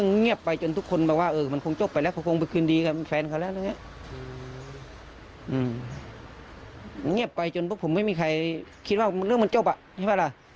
เงียบไปจนพวกผมไม่มีใครคิดว่าเรื่องมันจบอ่ะใช่ป่ะล่ะ